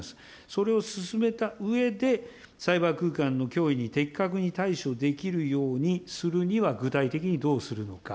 それを進めたうえで、サイバー空間の脅威に的確に対処できるようにするには具体的にどうするのか。